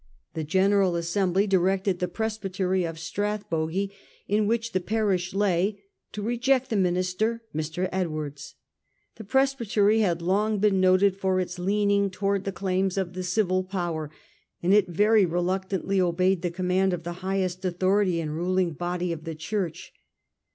The General Assembly directed the presbytery of Strathbogie, in which the parish lay, to reject the minister, Mr. Edwards. The presbytery had long been noted for its leaning towards the claims of the civil power, and it very reluctantly obeyed the command of the highest authority and ruling body of the Church.